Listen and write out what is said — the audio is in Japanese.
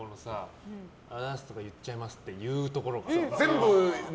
あざーすとか言っちゃいますっていうところが。